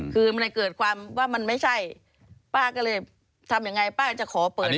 คือมันเลยเกิดความว่ามันไม่ใช่ป้าก็เลยทำยังไงป้าก็จะขอเปิด